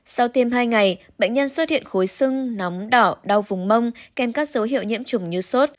sau tiêm hai ngày bệnh nhân xuất hiện khối sưng nóng đỏ đau vùng mông kèm các dấu hiệu nhiễm chủng như sốt